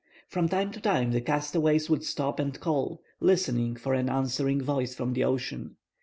From time to time the castaways would stop and call, listening for an answering voice from the ocean.